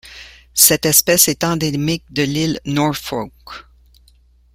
Cette espèce est endémique de l'île Norfolk.